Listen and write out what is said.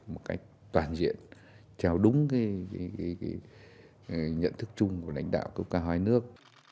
một cách toàn diện theo đúng nhận thức chung của lãnh đạo cấp cao hai nước